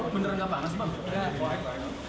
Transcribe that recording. beneran gak panas bang